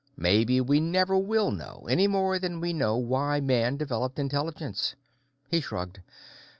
Maybe we never will know, any more than we know why Man developed intelligence." He shrugged.